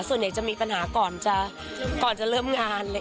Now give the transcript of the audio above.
ส่วนใหญ่จะมีปัญหาก่อนจะเริ่มงานเลย